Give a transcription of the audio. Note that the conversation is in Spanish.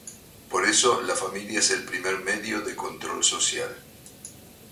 Por eso la familia es el primer medio de control social.